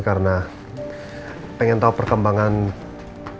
karena pengen tahu perkembangan dokumen dokumen saya yang kemarin seperti lalu karena saya ingin